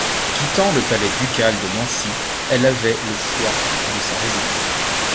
Quittant le palais ducal de Nancy, elle avait le choix de sa résidence.